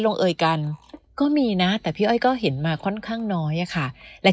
เอ่ยกันก็มีนะแต่พี่อ้อยก็เห็นมาค่อนข้างน้อยอะค่ะและ